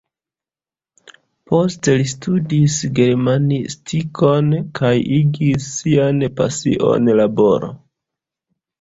Poste li studis germanistikon kaj igis sian pasion laboro.